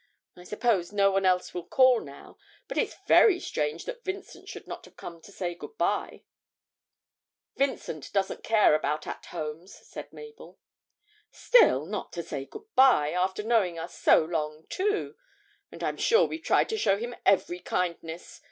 I suppose no one else will call now, but it's very strange that Vincent should not have come to say good bye.' 'Vincent doesn't care about "at homes,"' said Mabel. 'Still, not to say good bye after knowing us so long, too! and I'm sure we've tried to show him every kindness.